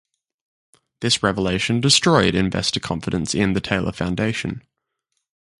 This revelation destroyed investor confidence in the Taylor Foundation.